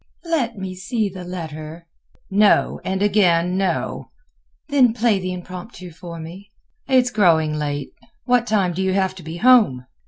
"Let me see the letter." "No, and again, no." "Then play the Impromptu for me." "It is growing late; what time do you have to be home?"